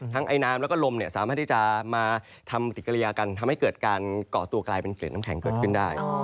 ทั้งไอน้ำและก็ลมเนี่ยสามารถที่จะมาทำติดเกรียร์กันทำให้เกิดการเกาะตัวกลายเป็นเกลียดน้ำแข็งเกิดขึ้นได้